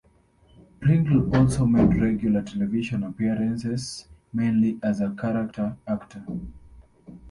Pringle also made regular television appearances, mainly as a character actor.